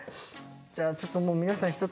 じゃあちょっと皆さん